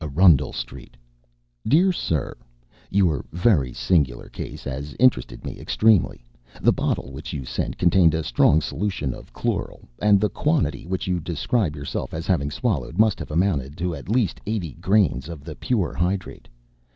"Arundel Street. "Dear Sir, Your very singular case has interested me extremely. The bottle which you sent contained a strong solution of chloral, and the quantity which you describe yourself as having swallowed must have amounted to at least eighty grains of the pure hydrate.